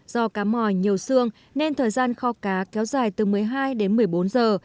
do cá mòi nhiều xương nên thời gian kho cá kéo dài từ một mươi hai đến một mươi bốn giờ